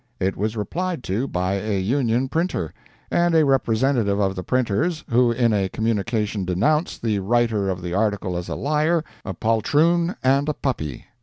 It was replied to by a Union printer, and a representative of the printers, who in a communication denounced the writer of that article as a liar, a poltroon and a puppy.